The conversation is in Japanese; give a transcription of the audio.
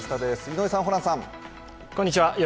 井上さん、ホランさん。